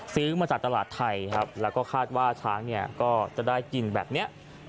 ซื้อมาจากตลาดไทยครับแล้วก็คาดว่าช้างเนี่ยก็จะได้กินแบบนี้